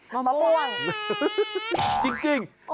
มะม่วงจริง